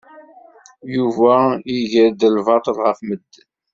Yuba iger-d lbaṭel ɣef medden.